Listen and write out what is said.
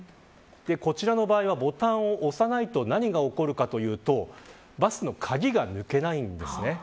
こちらの場合は、ボタンを押さないと何が起こるかというとバスの鍵が抜けないんですね。